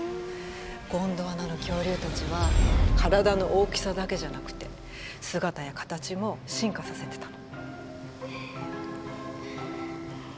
ゴンドワナの恐竜たちは体の大きさだけじゃなくて姿や形も進化させてたの。